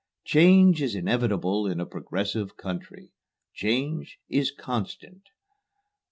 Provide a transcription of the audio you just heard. "Change is inevitable in a progressive country. Change is constant."